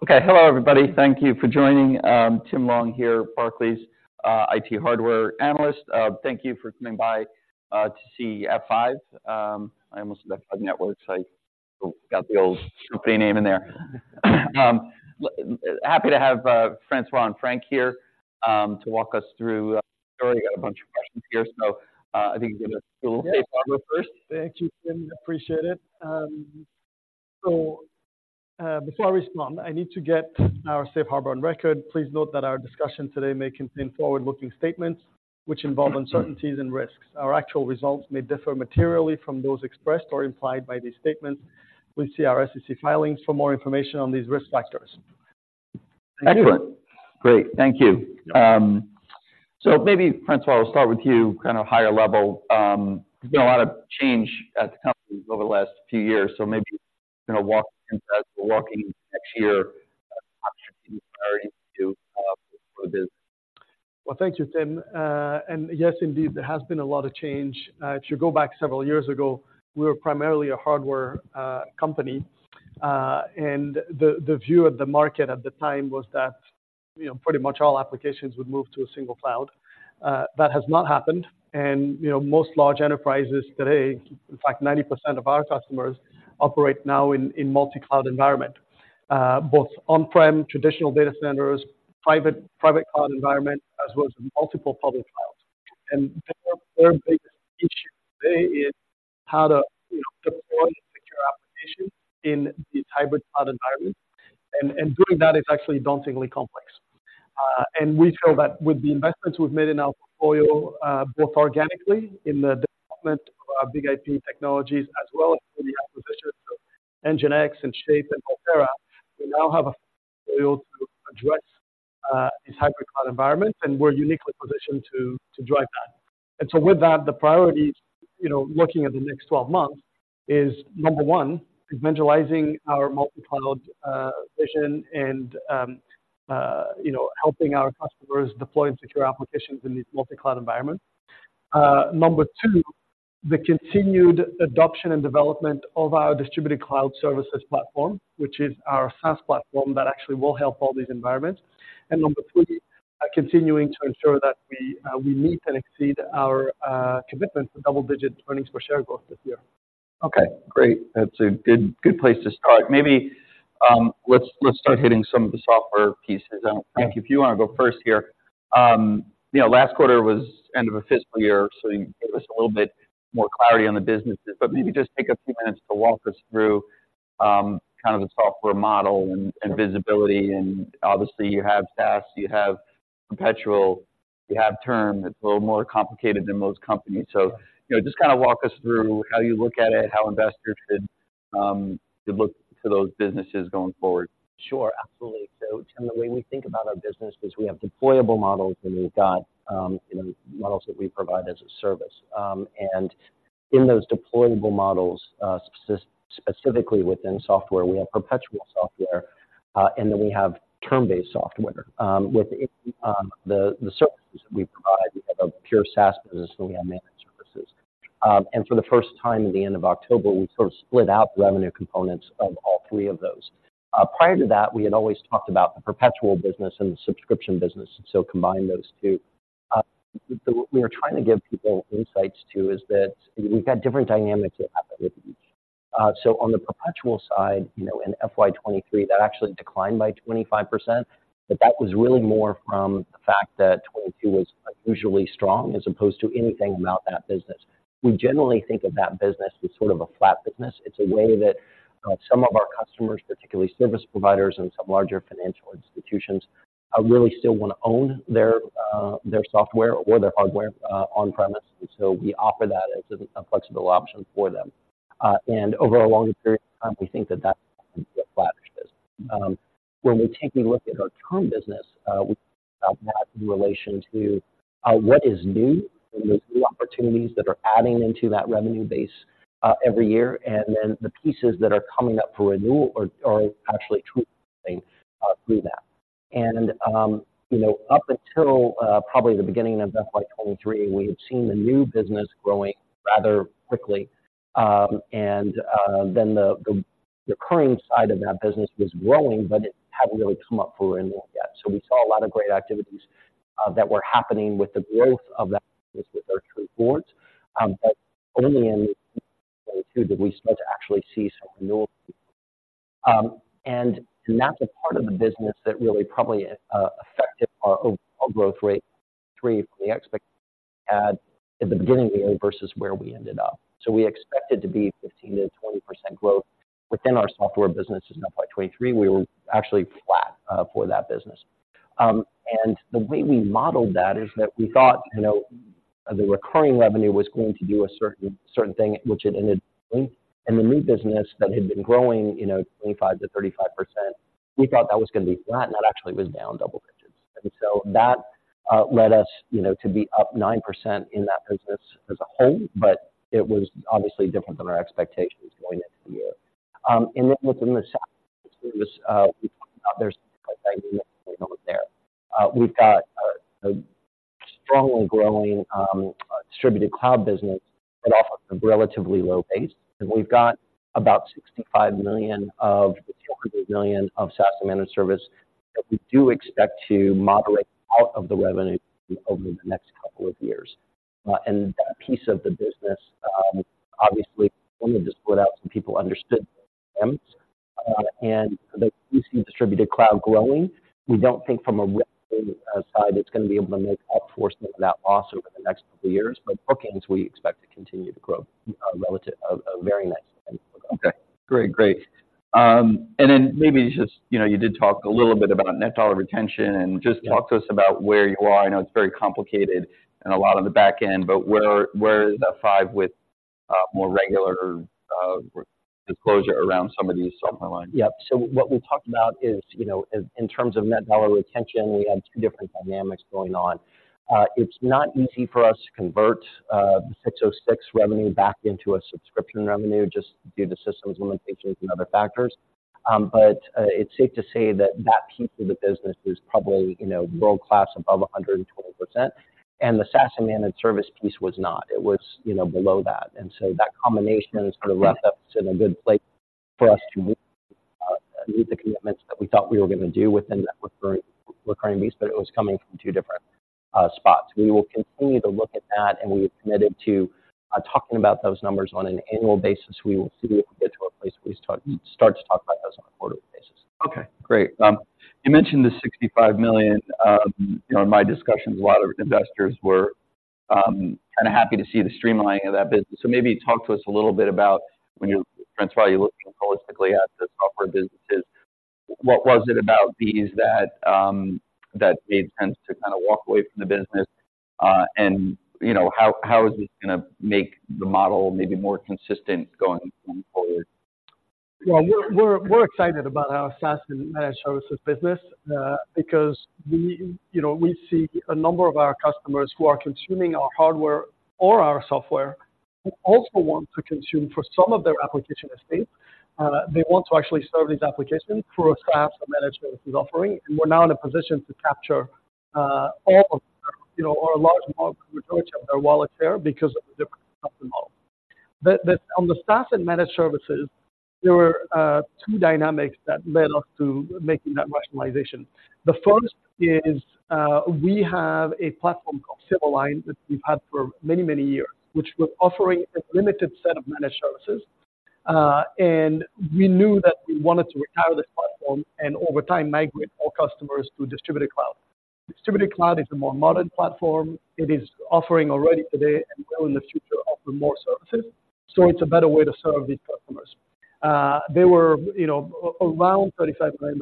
Okay. Hello, everybody. Thank you for joining. Tim Long here, Barclays, IT hardware analyst. Thank you for coming by, to see F5. I almost said F5 Networks. I got the old company name in there. Happy to have, François and Frank here, to walk us through. I got a bunch of questions here, so, I think you can give us a little safe harbor first. Thank you, Tim. Appreciate it. Before I respond, I need to get our safe harbor on record. Please note that our discussion today may contain forward-looking statements which involve uncertainties and risks. Our actual results may differ materially from those expressed or implied by these statements. Please see our SEC filings for more information on these risk factors. Excellent. Great. Thank you. So maybe, François, I'll start with you, kind of higher level. There's been a lot of change at the company over the last few years, so maybe, you know, walking next year, priority to, for the business. Well, thank you, Tim. And yes, indeed, there has been a lot of change. If you go back several years ago, we were primarily a hardware company, and the view of the market at the time was that, you know, pretty much all applications would move to a single cloud. That has not happened, and, you know, most large enterprises today, in fact, 90% of our customers, operate now in multi-cloud environment, both on-prem, traditional data centers, private, private cloud environment, as well as multiple public clouds. And their biggest issue today is how to, you know, deploy and secure applications in these hybrid cloud environments, and doing that is actually dauntingly complex. And we feel that with the investments we've made in our portfolio, both organically in the development of our BIG-IP technologies as well as through the acquisitions of NGINX and Shape and Volterra, we now have a portfolio to address these hybrid cloud environments, and we're uniquely positioned to drive that. And so with that, the priorities, you know, looking at the next 12 months, is number one, visualizing our multi-cloud vision and, you know, helping our customers deploy and secure applications in these multi-cloud environments. Number two, the continued adoption and development of our Distributed Cloud Services platform, which is our SaaS platform that actually will help all these environments. And number three, continuing to ensure that we meet and exceed our commitment to double-digit earnings per share growth this year. Okay, great. That's a good, good place to start. Maybe, let's start hitting some of the software pieces. And Frank, if you want to go first here. You know, last quarter was end of a fiscal year, so it was a little bit more clarity on the businesses, but maybe just take a few minutes to walk us through kind of the software model and visibility. And obviously, you have SaaS, you have perpetual, you have term. It's a little more complicated than most companies. So, you know, just kind of walk us through how you look at it, how investors should look to those businesses going forward. Sure, absolutely. So Tim, the way we think about our business is we have deployable models, and we've got, you know, models that we provide as a service. And in those deployable models, specifically within software, we have perpetual software, and then we have term-based software. Within the services that we provide, we have a pure SaaS business, and we have managed services. And for the first time at the end of October, we sort of split out the revenue components of all three of those. Prior to that, we had always talked about the perpetual business and the subscription business, so combine those two. So what we are trying to give people insights to is that we've got different dynamics that happen with each. So on the perpetual side, you know, in FY 2023, that actually declined by 25%, but that was really more from the fact that 2022 was unusually strong as opposed to anything about that business. We generally think of that business as sort of a flat business. It's a way that some of our customers, particularly service providers and some larger financial institutions, really still want to own their their software or their hardware on premise. So we offer that as a flexible option for them. Over a longer period of time, we think that that's a flat business. When we take a look at our term business, we look at that in relation to what is new and the new opportunities that are adding into that revenue base every year, and then the pieces that are coming up for renewal are actually true through that. And, you know, up until probably the beginning of FY 2023, we had seen the new business growing rather quickly. And then the current side of that business was growing, but it hadn't really come up for renewal yet. So we saw a lot of great activities that were happening with the growth of that business with our true boards. But only in 2022 did we start to actually see some renewal. That's a part of the business that really probably affected our overall growth rate three from the expectation we had at the beginning of the year versus where we ended up. We expected to be 15%-20% growth within our software business. In FY 2023, we were actually flat for that business. The way we modeled that is that we thought, you know, the recurring revenue was going to do a certain, certain thing, which it ended. The new business that had been growing, you know, 25% to 35%, we thought that was going to be flat, and that actually was down double digits. So that led us, you know, to be up 9% in that business as a whole, but it was obviously different than our expectations going into the year. And then within the SaaS business, we talked about there's we've got a strongly growing distributed cloud business that offers a relatively low base. And we've got about $65 million of the $200 million of SaaS managed service that we do expect to moderate out of the revenue over the next couple of years. And that piece of the business, obviously, let me just put out some people understood, and that we see distributed cloud growing. We don't think from a revenue side, it's gonna be able to make up for some of that loss over the next couple of years, but bookings, we expect to continue to grow relative, a, a very nice way. Okay, great. Great. And then maybe just, you know, you did talk a little bit about net dollar retention, and just- Yeah Talk to us about where you are. I know it's very complicated and a lot on the back end, but where, where is F5 with more regular disclosure around some of these software lines? Yeah. So what we talked about is, you know, in terms of net dollar retention, we had two different dynamics going on. It's not easy for us to convert the 606 revenue back into a subscription revenue just due to systems limitations and other factors. But it's safe to say that that piece of the business is probably, you know, world-class above 120%, and the SaaS managed service piece was not. It was, you know, below that. And so that combination is kind of left us in a good place for us to meet the commitments that we thought we were gonna do within that recurring, recurring piece, but it was coming from two different spots. We will continue to look at that, and we have committed to talking about those numbers on an annual basis. We will see if we get to a place where we start to talk about those on a quarterly basis. Okay, great. You mentioned the $65 million. You know, in my discussions, a lot of investors were kind of happy to see the streamlining of that business. So maybe talk to us a little bit about when you, François, you're looking holistically at the software businesses, what was it about these that made sense to kind of walk away from the business? And, you know, how is this gonna make the model maybe more consistent going forward? Well, we're excited about our SaaS and managed services business, because we, you know, we see a number of our customers who are consuming our hardware or our software, who also want to consume for some of their application estate. They want to actually serve these applications through a SaaS management offering, and we're now in a position to capture, all of their, you know, or a large majority of their wallet share because of the different model. On the SaaS and managed services, there were two dynamics that led us to making that rationalization. The first is, we have a platform called Silverline, that we've had for many, many years, which was offering a limited set of managed services, and we knew that we wanted to retire this platform and over time migrate all customers to distributed cloud. Distributed cloud is a more modern platform. It is offering already today, and will in the future, offer more services, so it's a better way to serve these customers. They were, you know, around $35 million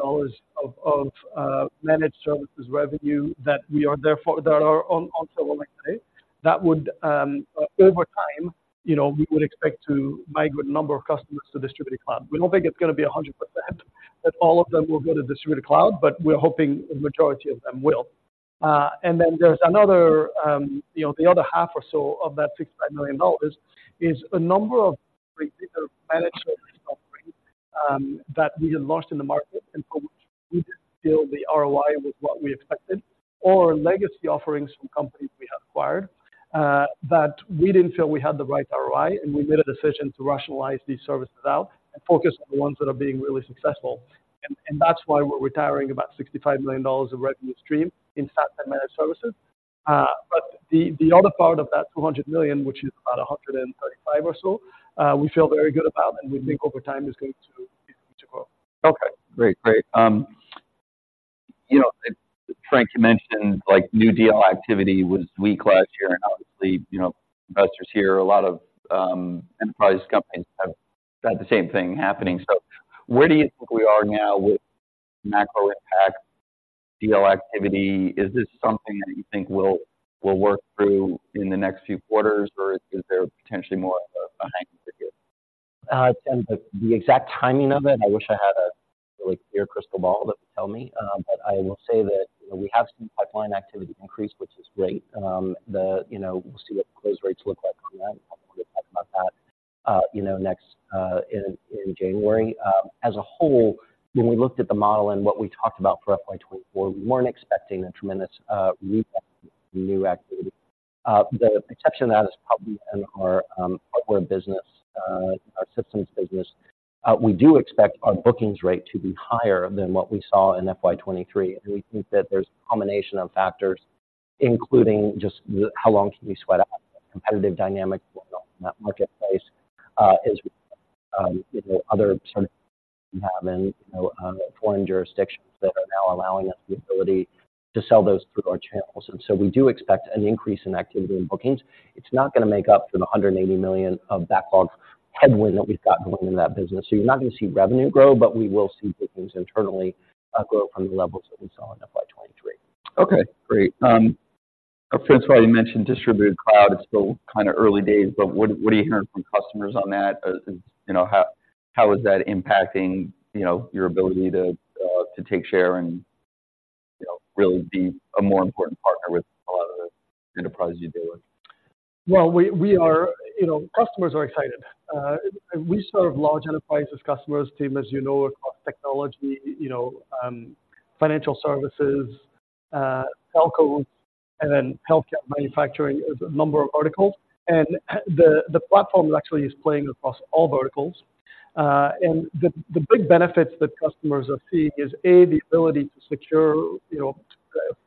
of managed services revenue that are on Silverline today, that would, over time, you know, we would expect to migrate a number of customers to distributed cloud. We don't think it's gonna be 100%, that all of them will go to distributed cloud, but we're hoping the majority of them will. and then there's another, you know, the other half or so of that $65 million is a number of managed service offerings, that we had launched in the market, and for which we didn't feel the ROI was what we expected, or legacy offerings from companies we acquired, that we didn't feel we had the right ROI, and we made a decision to rationalize these services out and focus on the ones that are being really successful. And that's why we're retiring about $65 million of revenue stream in SaaS and managed services. But the other part of that $200 million, which is about 135 or so, we feel very good about, and we think over time is going to continue to grow. Okay, great. Great. You know, Frank, you mentioned, like, new deal activity was weak last year, and obviously, you know, investors hear a lot of enterprise companies have had the same thing happening. So where do you think we are now with macro impact deal activity? Is this something that you think we'll work through in the next few quarters, or is there potentially more of a hang in there? The exact timing of it, I wish I had a, like, clear crystal ball that would tell me. But I will say that, you know, we have seen pipeline activity increase, which is great. You know, we'll see what the gross rates look like from that. We'll talk about that, you know, next in January. As a whole, when we looked at the model and what we talked about for FY 2024, we weren't expecting a tremendous rebound in new activity. The exception to that is probably in our hardware business, our systems business. We do expect our bookings rate to be higher than what we saw in FY 2023, and we think that there's a combination of factors, including just the how long can you sweat out the competitive dynamics in that marketplace, is, you know, other sort of having, you know, foreign jurisdictions that are now allowing us the ability to sell those through our channels. And so we do expect an increase in activity in bookings. It's not gonna make up for the $180 million of backlog headwind that we've got going in that business. So you're not gonna see revenue grow, but we will see bookings internally, grow from the levels that we saw in FY 2023. Okay, great. François, you mentioned distributed cloud. It's still kind of early days, but what are you hearing from customers on that? You know, how is that impacting your ability to take share and really be a more important partner with a lot of the enterprises you deal with? Well, we are, you know, customers are excited. And we serve large enterprises, customers, Tim, as you know, across technology, you know, financial services, telcos and then healthcare, manufacturing, there's a number of verticals. And the platform actually is playing across all verticals. And the big benefits that customers are seeing is, A, the ability to secure, you know,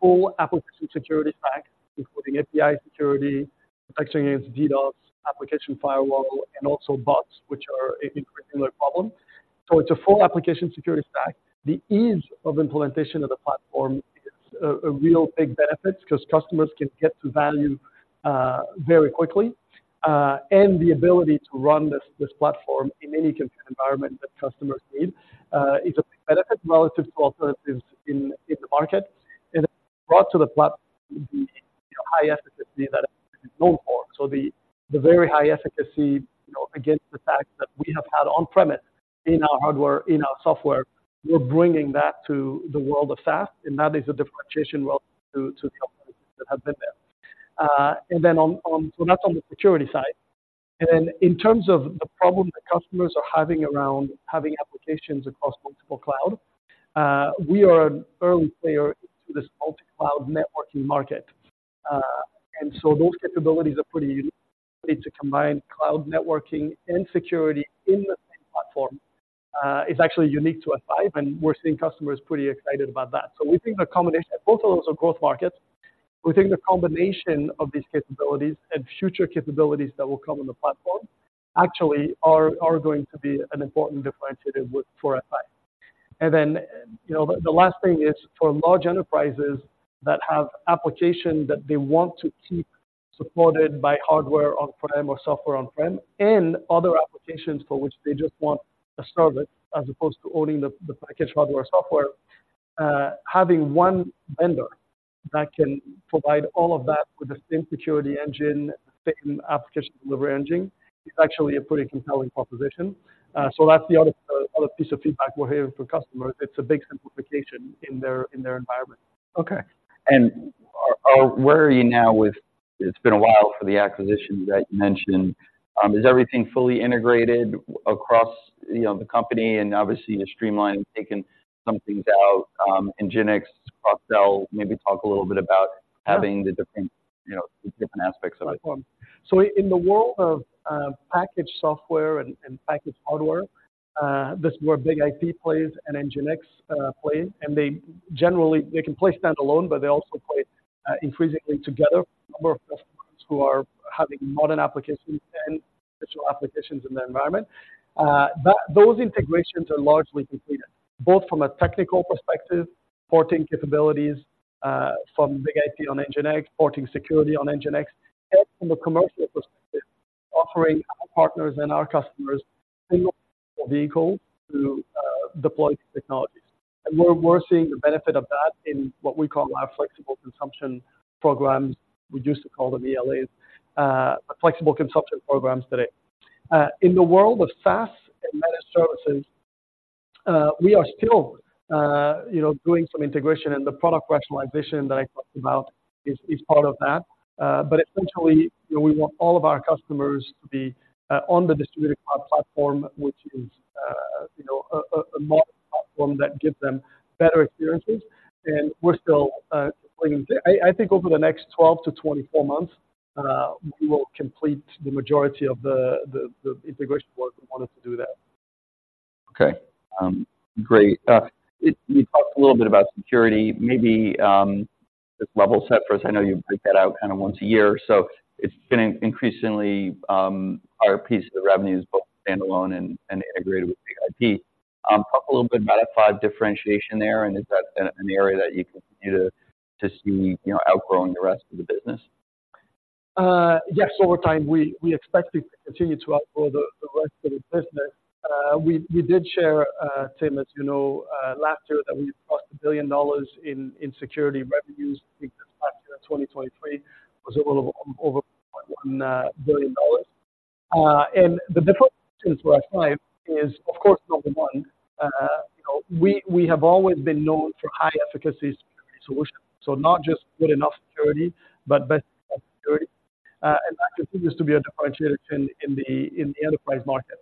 full application security stack, including API security, protection against DDoS, application firewall, and also bots, which are an increasingly problem. So it's a full application security stack. The ease of implementation of the platform is a real big benefit 'cause customers can get to value very quickly. And the ability to run this platform in any environment that customers need is a big benefit relative to alternatives in the market. And brought to the platform, you know, high efficacy that is known for. So the very high efficacy, you know, against the attacks that we have had on-premise, in our hardware, in our software, we're bringing that to the world of SaaS, and that is a differentiation relative to the companies that have been there. And then, so that's on the security side. And then in terms of the problem that customers are having around having applications across multiple cloud, we are an early player into this multi-cloud networking market. And so those capabilities are pretty unique. To combine cloud networking and security in the same platform is actually unique to F5, and we're seeing customers pretty excited about that. So we think the combination—both of those are growth markets. We think the combination of these capabilities and future capabilities that will come on the platform actually are going to be an important differentiator for F5. And then, you know, the last thing is for large enterprises that have application that they want to keep supported by hardware on-prem or software on-prem, and other applications for which they just want a service, as opposed to owning the package hardware or software, having one vendor that can provide all of that with the same security engine, same application delivery engine, is actually a pretty compelling proposition. So that's the other piece of feedback we're hearing from customers. It's a big simplification in their environment. Okay. And where are you now with it's been a while for the acquisitions that you mentioned. Is everything fully integrated across, you know, the company? And obviously you streamlined, taken some things out, NGINX, CockroachDB. Maybe talk a little bit about having the different, you know, different aspects of the platform. So in the world of packaged software and packaged hardware, this is where BIG-IP plays and NGINX play, and they generally—they can play standalone, but they also play increasingly together. A number of customers who are having modern applications and virtual applications in their environment. Those integrations are largely completed, both from a technical perspective, porting capabilities from BIG-IP on NGINX, porting security on NGINX, and from a commercial perspective, offering our partners and our customers a single vehicle to deploy these technologies. And we're seeing the benefit of that in what we call our flexible consumption programs. We used to call them ELAs, but flexible consumption programs today. In the world of SaaS and managed services, we are still, you know, doing some integration, and the product rationalization that I talked about is part of that. But essentially, you know, we want all of our customers to be on the distributed cloud platform, which is, you know, a modern platform that gives them better experiences, and we're still playing I think over the next 12-24 months, we will complete the majority of the integration work we wanted to do there. Okay, great. You talked a little bit about security. Maybe just level set for us. I know you break that out kind of once a year, so it's been increasingly our piece of the revenue is both standalone and, and integrated with BIG-IP. Talk a little bit about F5 differentiation there, and is that an area that you continue to, to see, you know, outgrowing the rest of the business? Yes, over time, we expect it to continue to outgrow the rest of the business. We did share, Tim, as you know, last year that we crossed $1 billion in security revenues. I think this past year, 2023, was a little over $1 billion. And the differences for F5 is, of course, number one, you know, we have always been known for high efficacy security solutions. So not just good enough security, but best security, and that continues to be a differentiator in the enterprise market.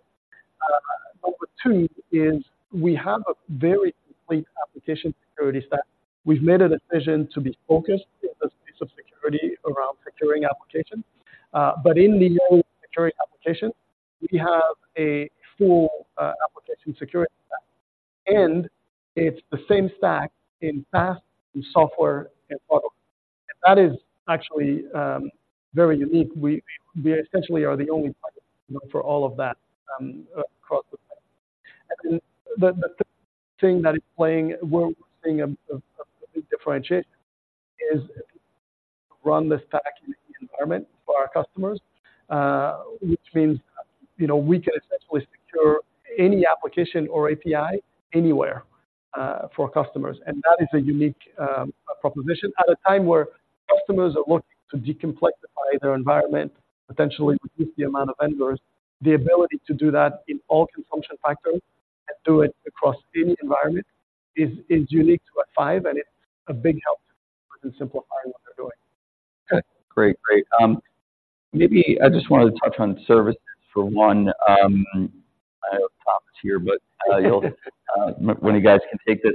Number two is we have a very complete application security stack. We've made a decision to be focused in the space of security around securing applications. But in the whole securing application, we have a full application security stack, and it's the same stack in SaaS, in software and hardware. That is actually very unique. We, we essentially are the only platform for all of that across the platform. The third thing we're seeing, a big differentiator, is run the stack in any environment for our customers, which means, you know, we can essentially secure any application or API anywhere for customers. That is a unique proposition at a time where customers are looking to de-complicate their environment, potentially reduce the amount of vendors, the ability to do that in all consumption factors and do it across any environment is unique to F5, and it's a big help in simplifying what they're doing. Okay, great. Great. Maybe I just wanted to touch on services for one. I know Tom is here, but you'll, one of you guys can take this.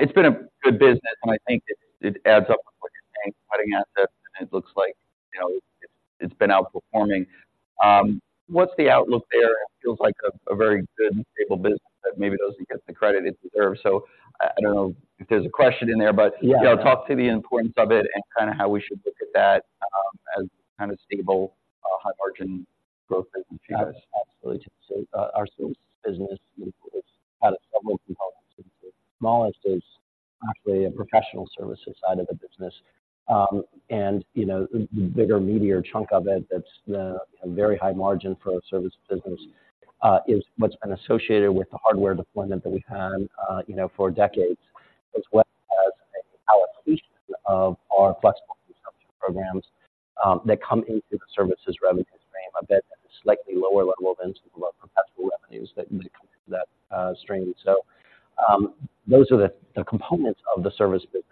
It's been a good business, and I think it, it adds up with what you're saying, cutting assets, and it looks like, you know, it, it's been outperforming. What's the outlook there? It feels like a very good, stable business that maybe doesn't get the credit it deserves. So I don't know if there's a question in there, but- Yeah. Talk to the importance of it and kind of how we should look at that, as kind of stable, high-margin growth as we see this. Absolutely. So, our service business is kind of several components. The smallest is actually a professional services side of the business. And, you know, the bigger, meatier chunk of it, that's a very high margin for a service business, is what's been associated with the hardware deployment that we've had, you know, for decades, as well as a allocation of our flexible consumption programs, that come into the services revenue stream, a bit at a slightly lower level than some of the professional revenues that may come into that, stream. So, those are the components of the service business.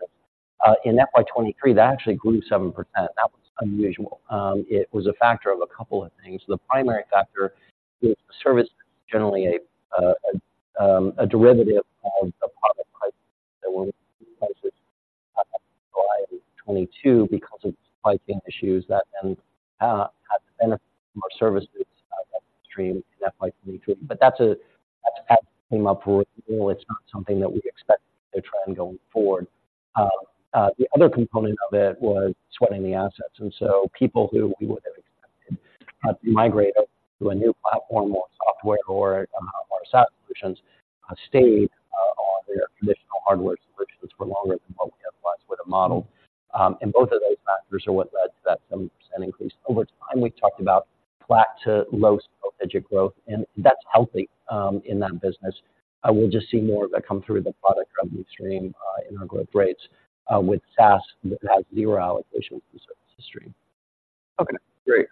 In FY 2023, that actually grew 7%. That was unusual. It was a factor of a couple of things. The primary factor is the service, generally, a derivative of the product price. When we raised prices in July of 2022 because of pricing issues that then had the benefit of our services revenue stream in FY 2023. But that's a, well, it's not something that we expect to trend going forward. The other component of it was sweating the assets, and so people who we would have expected to migrate over to a new platform or software or our SaaS solutions stayed on their traditional hardware solutions for longer than what we had planned with the model. And both of those factors are what led to that 7% increase. Over time, we've talked about flat to low single-digit growth, and that's healthy in that business. We'll just see more of that come through the product revenue stream, in our growth rates, with SaaS that has zero allocation from service stream. Okay, great.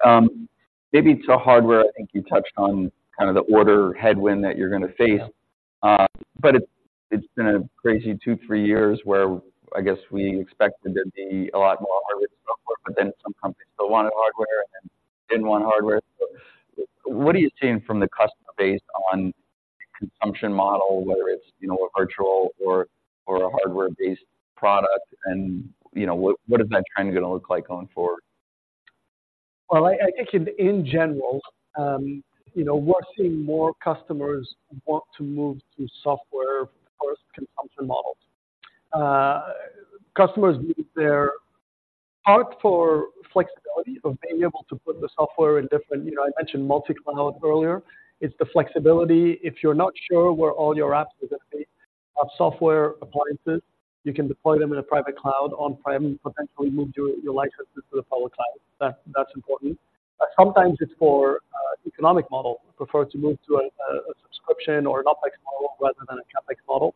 Maybe to hardware, I think you touched on kind of the order headwind that you're gonna face. But it, it's been a crazy 2-3 years where I guess we expected there'd be a lot more hardware software, but then some companies still wanted hardware and then didn't want hardware. So what are you seeing from the customer base on consumption model, whether it's, you know, a virtual or, or a hardware-based product? And, you know, what, what is that trend gonna look like going forward? Well, I think in general, you know, we're seeing more customers want to move to software first consumption models. Customers need their part for flexibility of being able to put the software in different you know, I mentioned multi-cloud earlier. It's the flexibility. If you're not sure where all your apps are gonna be, software appliances, you can deploy them in a private cloud, on-prem, potentially move your licenses to the public cloud. That's important. But sometimes it's for economic model, prefer to move to a subscription or an OpEx model rather than a CapEx model.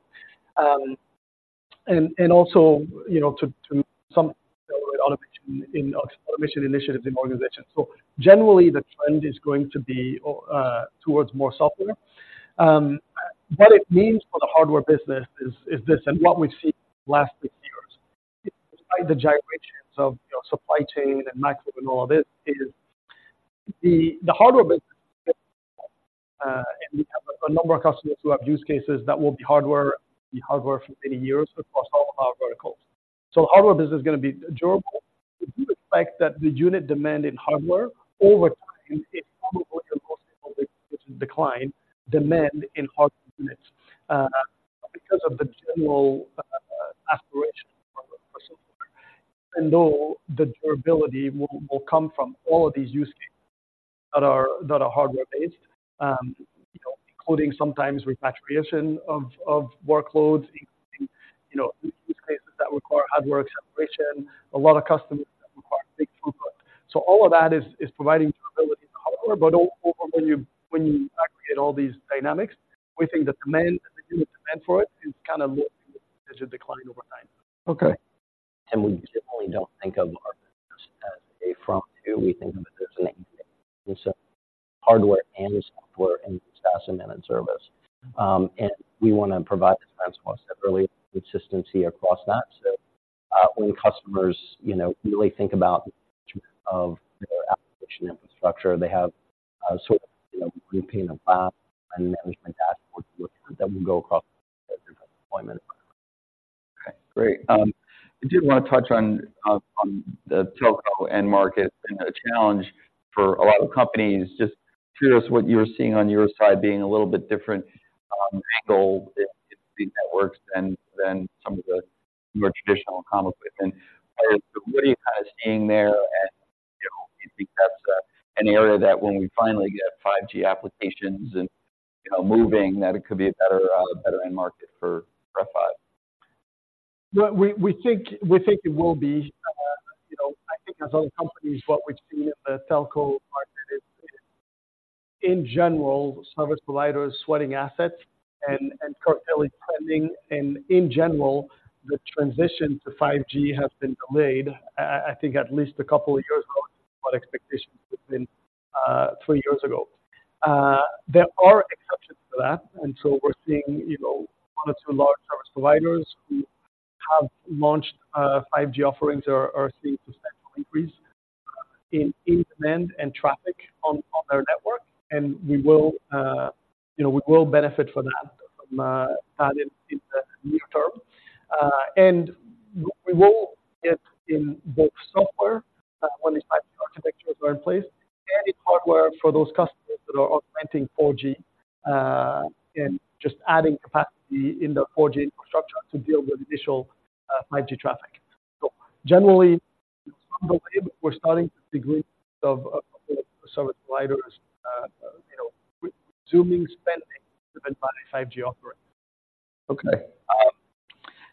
And also, you know, to some automation initiatives in organizations. So generally, the trend is going to be towards more software. What it means for the hardware business is this, and what we've seen last six years, despite the gyrations of, you know, supply chain and maximum and all of this, is the hardware business, and we have a number of customers who have use cases that will be hardware for many years across all of our verticals. So hardware business is gonna be durable. We do expect that the unit demand in hardware over time is probably gonna see decline, demand in hardware units, because of the general aspiration for software. And though the durability will come from all of these use cases that are hardware-based, you know, including sometimes repatriation of workloads, including use cases that require hardware acceleration, a lot of customers that require big throughput. All of that is providing durability in the hardware, but when you aggregate all these dynamics, we think the demand, the unit demand for it, is kind of as you decline over time. Okay. We definitely don't think of our business as a from-to. We think of it as a hardware and software, and SaaS, and then services. We wanna provide this sense more seamlessly, consistency across that. So, when customers, you know, really think about their application infrastructure, they have a sort of, you know, repeatable management dashboard to look at that will go across deployment. Okay, great. I did wanna touch on the telco end market and the challenge for a lot of companies. Just curious what you're seeing on your side, being a little bit different angle in the networks than some of the more traditional equipment. And what are you guys seeing there? And, you know, do you think that's an area that when we finally get 5G applications and, you know, moving, that it could be a better end market for F5? Well, we think it will be, you know, I think as other companies, what we've seen in the telco market is in general, service providers sweating assets and currently trending, and in general, the transition to 5G has been delayed, I think, at least a couple of years ago what expectations have been three years ago. There are exceptions to that, and so we're seeing, you know, one or two large service providers who have launched 5G offerings are seeing substantial increase in demand and traffic on their network, and we will, you know, we will benefit from that from in the near term. And we will get in both software, when these type of architectures are in place, and in hardware for those customers that are augmenting 4G, and just adding capacity in the 4G infrastructure to deal with initial, 5G traffic. So generally, we're starting to see degrees of service providers, you know, resuming spending driven by the 5G offering. Okay.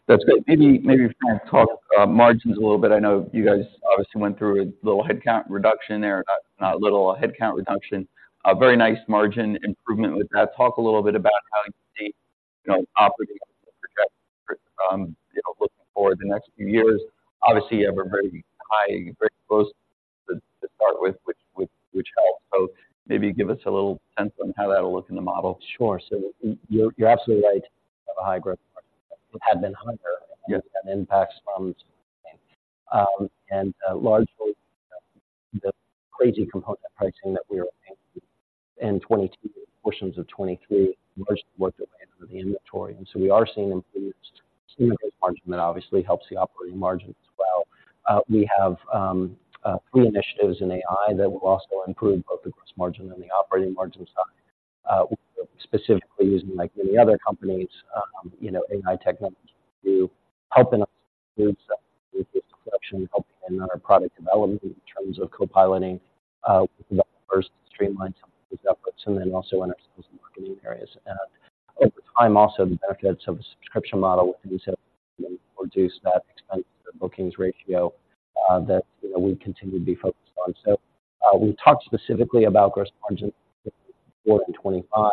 That's great. Maybe, maybe if you wanna talk about margins a little bit. I know you guys obviously went through a little headcount reduction there, not, not a little headcount reduction, a very nice margin improvement with that. Talk a little bit about how you see, you know, operating projects, you know, looking forward the next few years. Obviously, you have a very high, very close to start with, which, which, which helps. So maybe give us a little sense on how that'll look in the model. Sure. So you, you're absolutely right. Have a high growth market. It had been higher- Yes. And impacts from largely the crazy component pricing that we were seeing in 2022, portions of 2023, largely worked their way into the inventory. And so we are seeing improved margin, that obviously helps the operating margin as well. We have three initiatives in AI that will also improve both the gross margin and the operating margin side. Specifically using, like many other companies, you know, AI technology to helping us production, helping in our product development in terms of co-piloting developers to streamline some of those outputs, and then also in our sales and marketing areas. Over time, also, the benefits of a subscription model with these have reduced that expense bookings ratio, that you know we continue to be focused on. So, we talked specifically about gross margins more in 2025,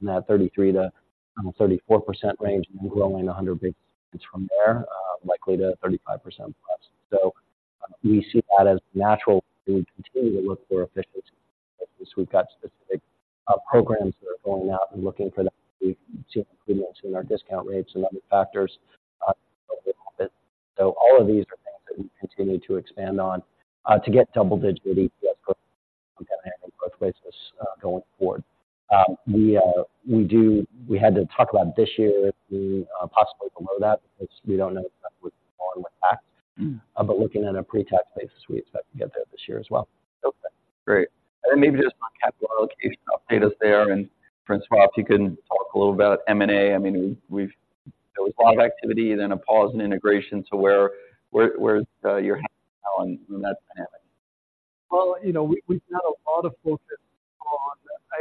in that 33%-34% range, and then growing 100 basis points from there, likely to 35%+. So we see that as natural. We continue to look for efficiencies. We've got specific programs that are going out and looking for that. We've seen improvements in our discount rates and other factors, so a little bit. So all of these are things that we continue to expand on, to get double-digit EPS growth and growth business going forward. We had to talk about this year, possibly below that, which we don't know if that would go on with tax. But looking at a pre-tax basis, we expect to get there this year as well. Okay, great. And then maybe just on capital allocation, update us there, and François, if you can talk a little about M&A. I mean, there was a lot of activity, then a pause in integration to where, where is your head now in that dynamic? Well, you know, we've had a lot of focus on,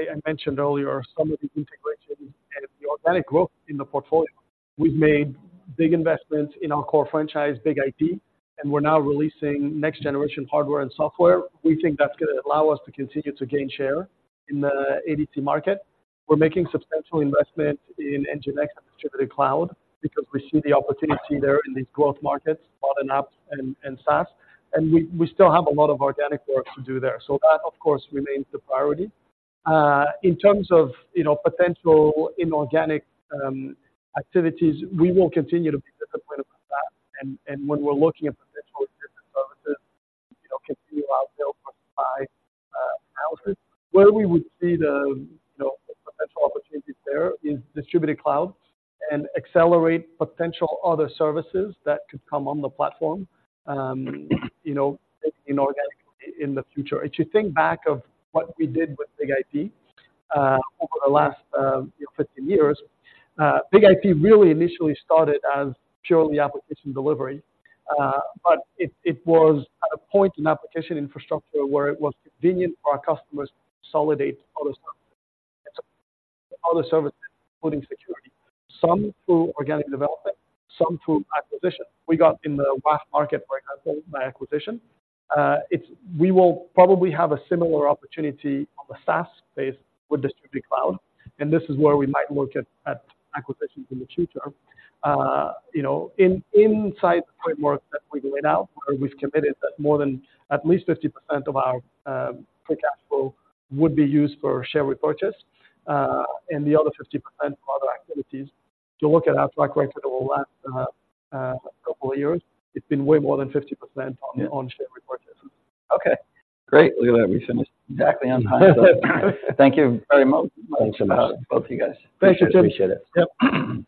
I, I mentioned earlier, some of the integration and the organic growth in the portfolio. We've made big investments in our core franchise, BIG-IP, and we're now releasing next generation hardware and software. We think that's going to allow us to continue to gain share in the ADC market. We're making substantial investment in NGINX and distributed cloud because we see the opportunity there in these growth markets, modern apps and, and SaaS, and we, we still have a lot of organic work to do there. So that, of course, remains the priority. In terms of, you know, potential inorganic activities, we will continue to be disciplined about that. And, and when we're looking at potential services, you know, continue our build versus buy. Where we would see the, you know, potential opportunities there is distributed cloud and accelerate potential other services that could come on the platform, you know, inorganically in the future. If you think back of what we did with BIG-IP, over the last, you know, 15 years, BIG-IP really initially started as purely application delivery. But it, it was at a point in application infrastructure where it was convenient for our customers to consolidate other services, other services, including security, some through organic development, some through acquisition. We got in the WAF market, for example, by acquisition. It's we will probably have a similar opportunity on the SaaS space with distributed cloud, and this is where we might look at, at acquisitions in the future. You know, inside the framework that we do it now, where we've committed that more than at least 50% of our free cash flow would be used for share repurchase, and the other 50% for other activities. If you look at our track record over the last couple of years, it's been way more than 50% on share repurchases. Okay, great. Look at that, we finished exactly on time. Thank you very much. Thanks so much. Both of you guys. Thank you, Tim. Appreciate it. Yep.